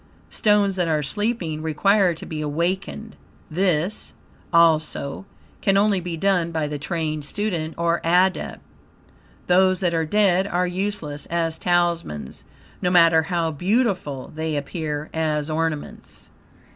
Stones that are sleeping require to be awakened. This, also, can only be done by the trained student or Adept. Those that are dead, are USELESS as Talismans, no matter how beautiful they appear as ornaments.